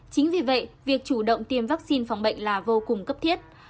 chính vì vậy việc chủ động tiêm vaccine phòng bệnh là vô cùng cấp thiết